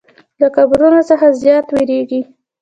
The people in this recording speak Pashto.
له قبرونو څخه زیات ویریږي.